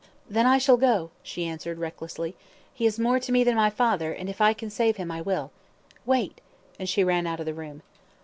"Then I shall go," she answered, recklessly. "He is more to me than my father, and if I can save him, I will. Wait," and she ran out of the room.